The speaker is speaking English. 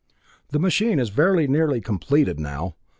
The machine is very nearly completed now.